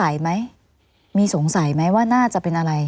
ไหมมีสงสัยไหมว่าน่าจะเป็นอะไร